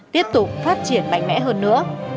tiếp tục phát triển mạnh mẽ hơn nữa